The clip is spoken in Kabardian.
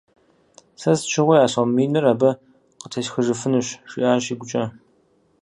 Сэ сыт щыгъуи а сом миныр абы къытесхыжыфынущ, - жиӀэщ игукӀэ.